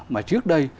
mà trước đây